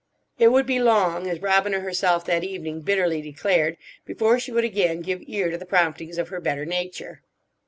It would be long, as Robina herself that evening bitterly declared, before she would again give ear to the promptings of her better nature.